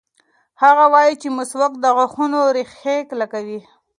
هغه وایي چې مسواک د غاښونو ریښې کلکوي.